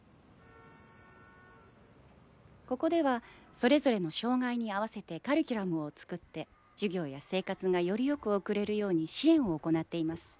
ここではそれぞれの障害に合わせてカリキュラムを作って授業や生活がよりよく送れるように支援を行っています。